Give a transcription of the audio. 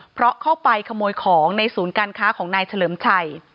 เพราะเข้าไปขโมยของในศูนย์การค้าของนายเฉลิมชัย